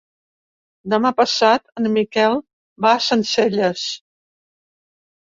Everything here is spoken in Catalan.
Demà passat en Miquel va a Sencelles.